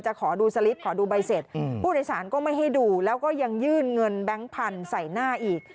ขอดูสลิปขอดูใบเสร็จผู้โดยสารก็ไม่ให้ดูแล้วก็ยังยื่นเงินแบงค์พันธุ์ใส่หน้าอีก